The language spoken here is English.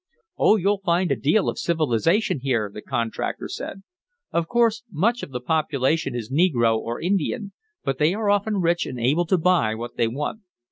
"Oh, you'll find a deal of civilization here," the contractor said. "Of course much of the population is negro or Indian, but they are often rich and able to buy what they want.